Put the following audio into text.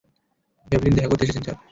Devlin দেখা করতে এসেছেন, স্যার।